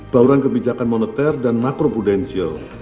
bauran kebijakan moneter dan makro prudensial